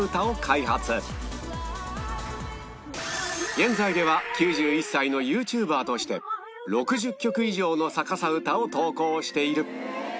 現在では９１歳の ＹｏｕＴｕｂｅｒ として６０曲以上の逆さ歌を投稿している